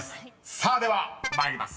［さあでは参ります。